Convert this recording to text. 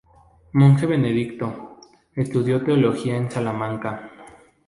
Monje benedictino, estudió teología en Salamanca.